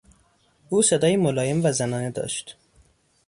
او صدایی ملایم و زنانه داشت.